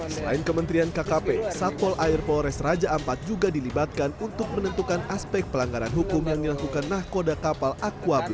selain kementerian kkp satpol air polres raja ampat juga dilibatkan untuk menentukan aspek pelanggaran hukum yang dilakukan nahkoda kapal aquable